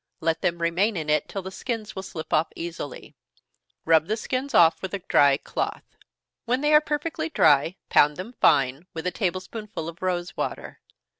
Let them remain in it till the skins will slip off easily rub the skins off with a dry cloth. When they are perfectly dry, pound them fine, with a table spoonful of rosewater.